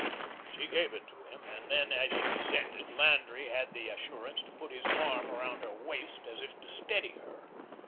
She gave it to him, and then, as she descended, Landry had the assurance to put his arm around her waist as if to steady her.